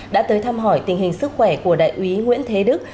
đã tới thăm hỏi tình hình sức khỏe của đại úy nguyễn thế đức